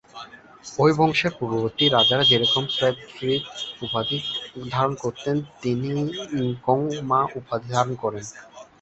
ঐ বংশের পূর্ববর্তী রাজারা যেরকম স্দে-স্রিদ উপাধি ধারণ করতেন, তিনি গোং-মা উপাধি ধারণ করেন।